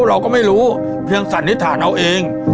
เราก็ไม่รู้ผสมศักดิ์ถ่านอาวุธเอง